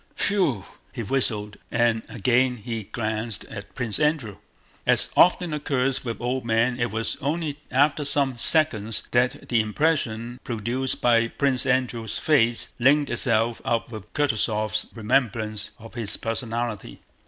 whew!" he whistled, and again glanced at Prince Andrew. As often occurs with old men, it was only after some seconds that the impression produced by Prince Andrew's face linked itself up with Kutúzov's remembrance of his personality.